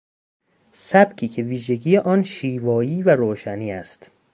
سبکی که ویژگی آن شیوایی و روشنی است.